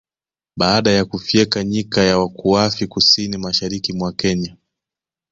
Baada ya kufyeka Nyika ya Wakuafi kusini mashariki mwa Kenya